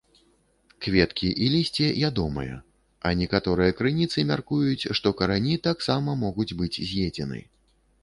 Кветкі і лісце ядомыя, а некаторыя крыніцы мяркуюць, што карані таксама могуць быць з'едзены.